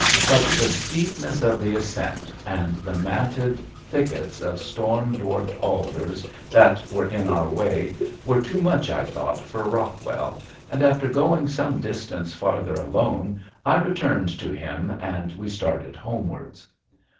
But the steepness of the ascent and the matted thickets of storm dwarfed alders that were in our way were too much, I thought, for Rockwell, and after going some distance farther alone I returned to him and we started homewards.